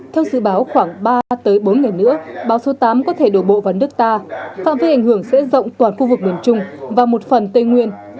theo dự báo khoảng ba bốn ngày nữa bão số tám có thể đổ bộ vào nước ta phạm vi ảnh hưởng sẽ rộng toàn khu vực miền trung và một phần tây nguyên